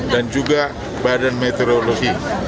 dan juga badan meteorologi